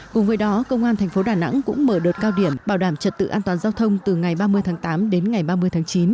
cùng với đó công an thành phố đà nẵng cũng mở đợt cao điểm bảo đảm trật tự an toàn giao thông từ ngày ba mươi tháng tám đến ngày ba mươi tháng chín